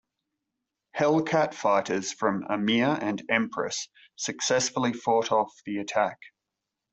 Hellcat fighters from "Ameer" and "Empress" successfully fought off the attack.